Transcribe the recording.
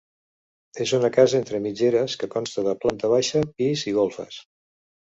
És una casa entre mitgeres que consta de planta baixa, pis i golfes.